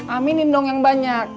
aminin dong yang banyak